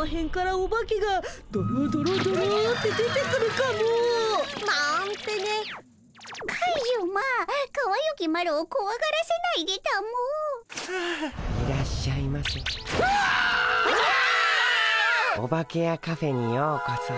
オバケやカフェにようこそ。